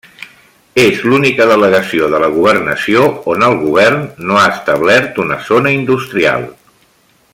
És l'única delegació de la governació on el govern no ha establert una zona industrial.